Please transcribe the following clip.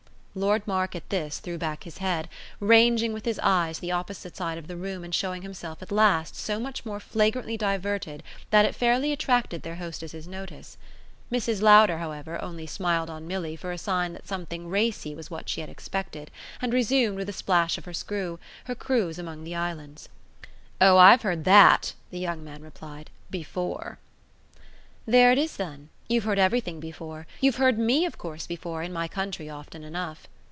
Lord Mark at this threw back his head, ranging with his eyes the opposite side of the room and showing himself at last so much more flagrantly diverted that it fairly attracted their hostess's notice. Mrs. Lowder, however, only smiled on Milly for a sign that something racy was what she had expected, and resumed, with a splash of her screw, her cruise among the islands. "Oh I've heard that," the young man replied, "before!" "There it is then. You've heard everything before. You've heard ME of course before, in my country, often enough."